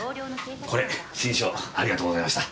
これ志ん生ありがとうございました。